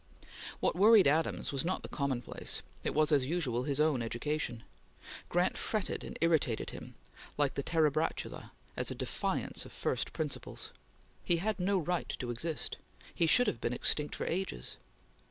What worried Adams was not the commonplace; it was, as usual, his own education. Grant fretted and irritated him, like the Terebratula, as a defiance of first principles. He had no right to exist. He should have been extinct for ages.